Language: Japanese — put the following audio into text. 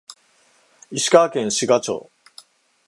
石川県志賀町